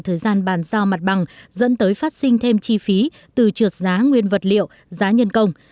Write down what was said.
thời gian bàn giao mặt bằng dẫn tới phát sinh thêm chi phí từ trượt giá nguyên vật liệu giá nhân công